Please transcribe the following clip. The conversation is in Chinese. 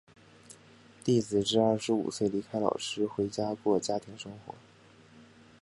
弟子至二十五岁离开老师回家过家庭生活。